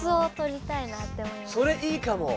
それいいかも。